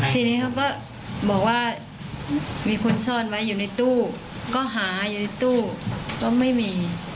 ทีนี้เขาก็บอกว่ามีคนซ่อนไว้อยู่ในตู้ก็หาอยู่ในตู้ก็ไม่มี